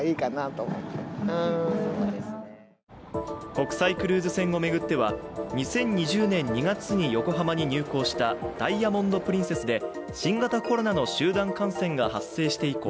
国際クルーズ船を巡っては、２０２０年２月に横浜に入港した「ダイヤモンド・プリンセス」で新型コロナの集団感染が発生して以降、